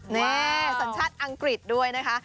นี่สัญชาติอังกฤษด้วยนะคะ